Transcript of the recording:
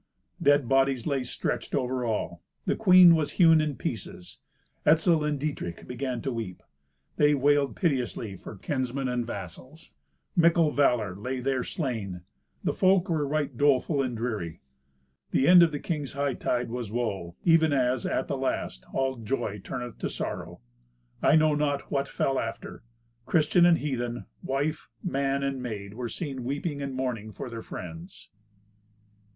Dead bodies lay stretched all over. The queen was hewn in pieces. Etzel and Dietrich began to weep. They wailed piteously for kinsmen and vassals. Mickle valour lay there slain. The folk were doleful and dreary. The end of the king's hightide was woe, even as, at the last, all joy turneth to sorrow. I know not what fell after. Christian and heathen, wife, man, and maid, were seen weeping and mourning for their friends.